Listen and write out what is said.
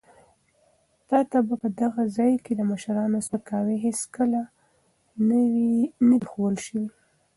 تا ته په دغه ځای کې د مشرانو سپکاوی هېڅکله نه دی ښوول شوی.